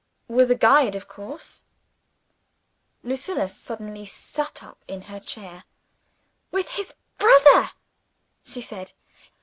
"With a guide, of course?" Lucilla suddenly sat up in her chair. "With his brother," she said.